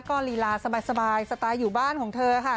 ก็ลีลาสบายสไตล์อยู่บ้านของเธอค่ะ